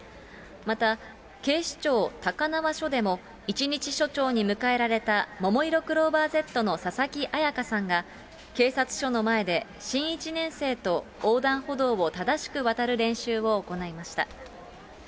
また、警視庁高輪署でも一日署長に迎えられたももいろクローバーＺの佐々木彩夏さんが警察署の前で新１年生と横断歩道を正しく渡る練習を行いました。